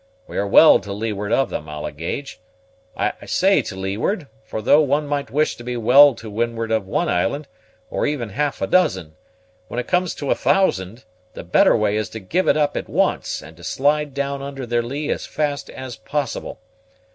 We are well to leeward of them, I'll engage I say to leeward; for though one might wish to be well to windward of one island, or even half a dozen, when it comes to a thousand, the better way is to give it up at once, and to slide down under their lee as fast as possible.